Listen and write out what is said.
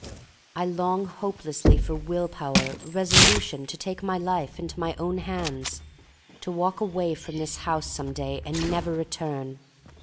I long hopelessly for will power, reso lution to take my life into my own hands, to walk away from this house some day and never return.